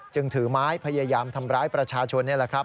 ถือไม้พยายามทำร้ายประชาชนนี่แหละครับ